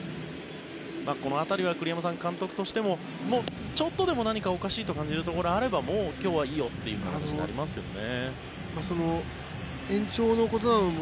この辺りは栗山さん監督としてもちょっとおかしいと感じるところがあればもう今日はいいよという感じになりますよね。